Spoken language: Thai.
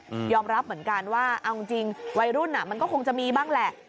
ยอมรับเหมือนกันว่าเอาจริงจริงวัยรุ่นอ่ะมันก็คงจะมีบ้างแหละ